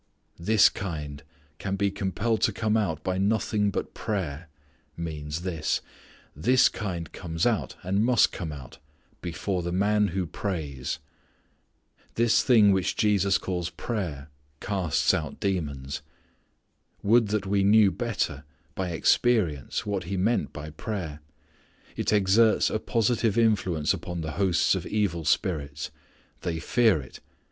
"This kind can be compelled to come out by nothing but by prayer," means this: "this kind comes out, and must come out, before the man who prays." This thing which Jesus calls prayer casts out demons. Would that we knew better by experience what He meant by prayer. It exerts a positive influence upon the hosts of evil spirits. They fear it.